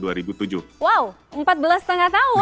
wow empat belas setengah tahun